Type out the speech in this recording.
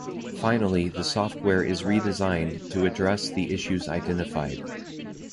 Finally the software is redesigned to address the issues identified.